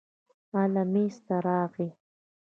ال میز ته راغی.